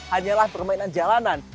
hanyalah permainan jalanan